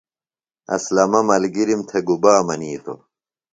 اسلمہ ملگرِم تھےۡ گُبا منِیتوۡ ؟